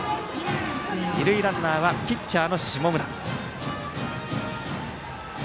二塁ランナーはピッチャーの下村。